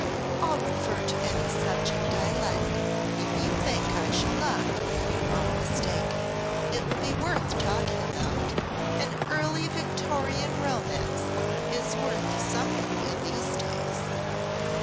"I'll refer to any subject I like. If you think I shall not you are mistaken. It will be worth talking about. An Early Victorian romance is worth something in these days."